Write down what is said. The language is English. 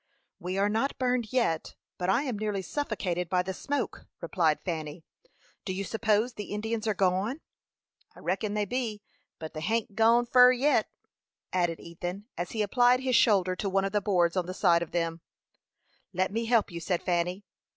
"We are not burned yet, but I am nearly suffocated by the smoke," replied Fanny. "Do you suppose the Indians are gone?" "I reckon they be; but they hain't gone fur yit," added Ethan, as he applied his shoulder to one of the boards on the side of the barn. "Let me help you," said Fanny.